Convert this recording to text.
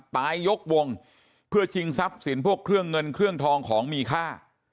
ตายยกวงเพื่อชิงทรัพย์สินพวกเครื่องเงินเครื่องทองของมีค่า